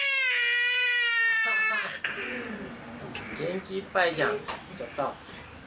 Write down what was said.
元気いっぱいじゃん、ちょっと。